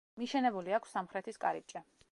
მიშენებული აქვს სამხრეთის კარიბჭე.